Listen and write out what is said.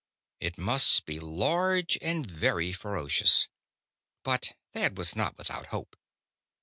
It must be large and very ferocious. But Thad was not without hope.